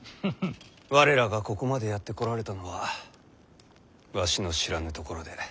我らがここまでやってこられたのはわしの知らぬところで